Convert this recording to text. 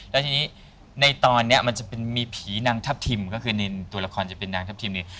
แล้วทีนี้ในตอนนี้มันจะเป็นมีผีนางทัพทิมก็คือในตัวละครจะเป็นนางทัพทิมนี้